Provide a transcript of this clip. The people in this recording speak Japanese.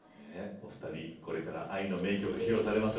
お二人これから愛の名曲披露されます。